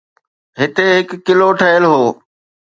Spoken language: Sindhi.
هتي هڪ قلعو ٺهيل هو